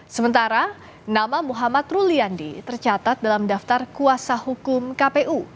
sementara nama muhammad ruliandi tercatat dalam daftar kuasa hukum kpu